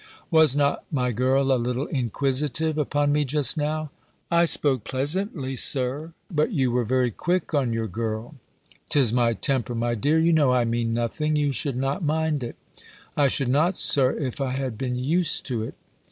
"Was not my girl a little inquisitive upon me just now?" "I spoke pleasantly. Sir But you were very quick on your girl." "'Tis my temper, my dear You know I mean nothing. You should not mind it." "I should not, Sir, if I had been used to it."